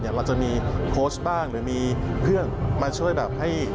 เราจะมีโค้ชบ้างหรือมีเพื่อนมาช่วยแบบให้